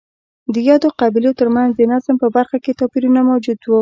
د یادو قبیلو ترمنځ د نظم په برخه کې توپیرونه موجود وو